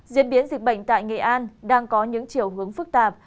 diễn biến dịch bệnh tại nghệ an đang có những chiều hướng phức tạp